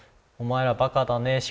お前らバカだね